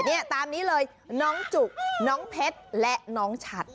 เนี่ยตามนี้เลยน้องจุกน้องเพชรและน้องชัด